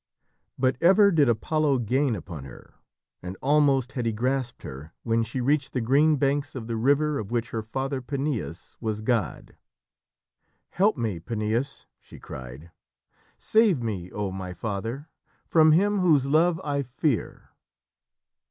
But ever did Apollo gain upon her, and almost had he grasped her when she reached the green banks of the river of which her father, Peneus, was god. "Help me, Peneus!" she cried. "Save me, oh my father, from him whose love I fear!"